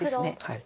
はい。